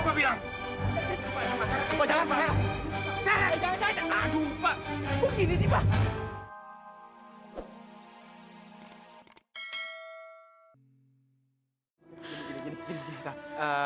kok gini sih pak